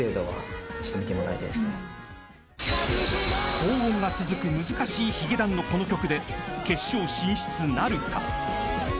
［高音が続く難しいヒゲダンのこの曲で決勝進出なるか？］